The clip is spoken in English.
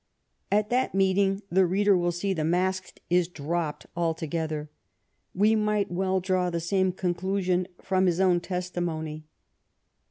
At that meeting, the reader will see, the mask is dropped altogether. We might draw the same conclusion from his own testimony.